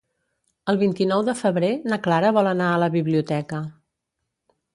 El vint-i-nou de febrer na Clara vol anar a la biblioteca.